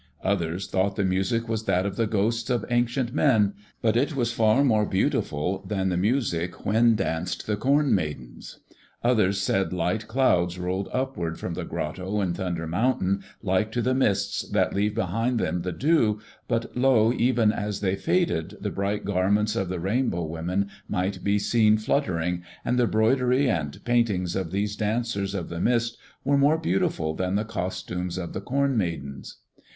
Others thought the music was that of the ghosts of ancient men, but it was far more beautiful than the music when danced the Corn Maidens. Others said light clouds rolled upward from the grotto in Thunder Mountain like to the mists that leave behind them the dew, but lo! even as they faded the bright garments of the Rainbow women might be seen fluttering, and the broidery and paintings of these dancers of the mist were more beautiful than the costumes of the Corn Maidens.